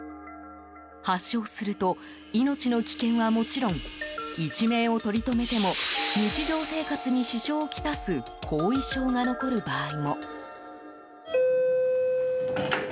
発症すると命の危険はもちろん一命を取りとめても日常生活に支障をきたす後遺症が残る場合も。